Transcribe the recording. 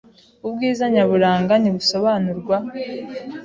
Ubwiza nyaburanga ntibusobanurwa.